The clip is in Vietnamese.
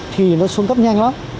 thì nó xuống cấp nhanh lắm